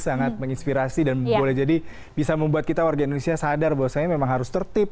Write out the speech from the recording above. sangat menginspirasi dan boleh jadi bisa membuat kita warga indonesia sadar bahwasanya memang harus tertib